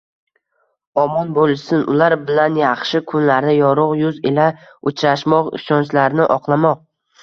Omon bo‘lishsin. Ular bilan yaxshi kunlarda yorug‘ yuz ila uchrashmoq, ishonchlarini oqlamoq